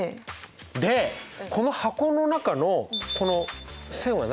でこの箱の中のこの線は何？